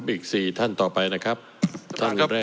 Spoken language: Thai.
อีก๔ท่านต่อไปข้อแรกท่านหรือแรก